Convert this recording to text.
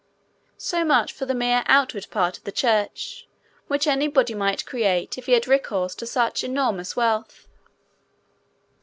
So much for the mere outward part of the church which anybody might create if he had recourse to such enormous wealth.